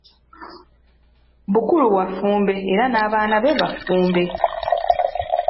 Bukulu wa Ffumbe era n'abaana be ba ffumbe.